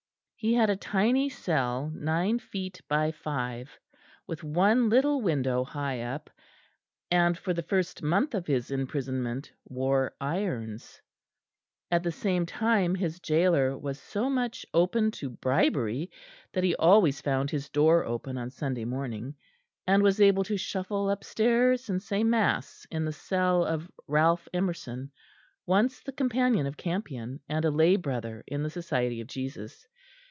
He had a tiny cell, nine feet by five, with one little window high up, and for the first month of his imprisonment wore irons; at the same time his gaoler was so much open to bribery that he always found his door open on Sunday morning, and was able to shuffle upstairs and say mass in the cell of Ralph Emerson, once the companion of Campion, and a lay brother of the Society of Jesus.